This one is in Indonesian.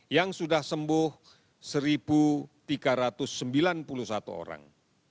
yang sudah sembuh satu tiga ratus sembilan puluh satu orang